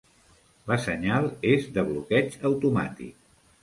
La senyal és de bloqueig automàtic.